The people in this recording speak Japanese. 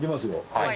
はい。